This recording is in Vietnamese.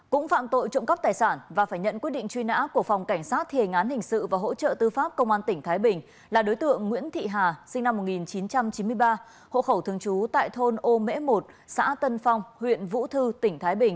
cũng phạm tội trộm cắp tài sản và phải nhận quyết định truy nã của phòng cảnh sát thề ngán hình sự và hỗ trợ tư pháp công an tỉnh thái bình là đối tượng nguyễn thị hà sinh năm một nghìn chín trăm chín mươi ba hộ khẩu thường trú tại thôn ô mễ một xã tân phong huyện vũ thư tỉnh thái bình